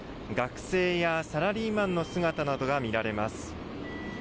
学生やサラリーマンの姿などが見られます。